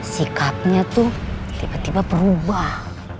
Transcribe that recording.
sikapnya tuh tiba tiba berubah